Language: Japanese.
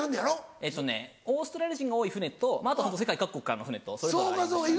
えっとねオーストラリア人が多い船と世界各国からの船とそれぞれありましたね。